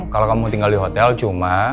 kalau kamu tinggal di hotel cuma